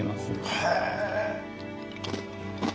へえ。